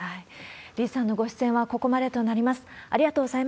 李さんのご出演はここまでとなります。